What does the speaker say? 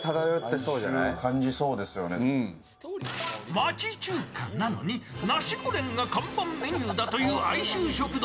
町中華なのに、ナシゴレンが看板メニューだという愛愁食堂。